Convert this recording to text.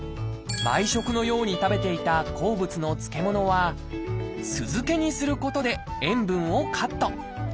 毎食のように食べていた好物の漬物は酢漬けにすることで塩分をカット。